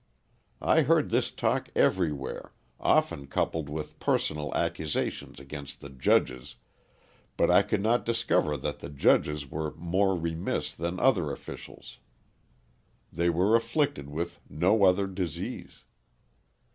I heard this talk everywhere, often coupled with personal accusations against the judges, but I could not discover that the judges were more remiss than other officials. They were afflicted with no other disease.